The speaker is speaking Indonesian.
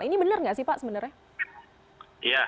ini benar nggak sih pak sebenarnya